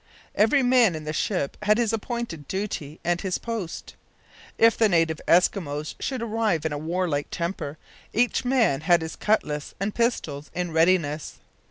Every man in the ship had his appointed duty and his post. If the native Eskimos should arrive in a warlike temper, each man had his cutlass and pistols in readiness.